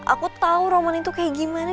aku tahu roman itu kayak gimana